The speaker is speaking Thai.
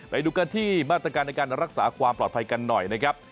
ไปดูกันที่มาตรการในการรักษาความปลอดภัยกันหน่อยนะครับ